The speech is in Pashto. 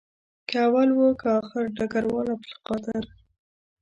که اول وو که آخر ډګروال عبدالقادر.